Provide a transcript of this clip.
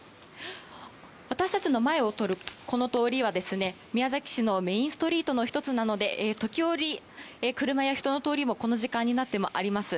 私たちの前を通る、この通りは宮崎市のメインストリートの１つなので時折、車や人の通りもこの時間になってもあります。